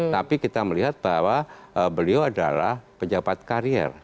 tapi kita melihat bahwa beliau adalah pejabat karier